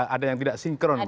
ada yang tidak sinkron